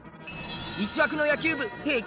１枠の野球部平均